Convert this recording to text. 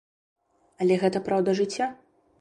Але гэта праўда жыцця.